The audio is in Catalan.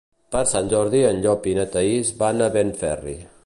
Per Sant Jordi en Llop i na Thaís van a Benferri.